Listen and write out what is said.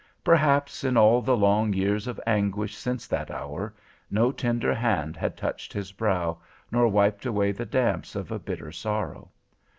Perhaps, in all the long years of anguish since that hour, no tender hand had touched his brow, nor wiped away the damps of a bitter sorrow.